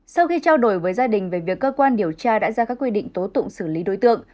sau khi trao đổi với gia đình về việc cơ quan điều tra đã ra các quy định tố tụng xử lý đối tượng